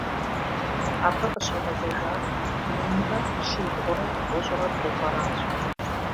Абы къыщигъэзэжар минрэ щибгъурэ бгъущӀрэ тӀу гъэращ.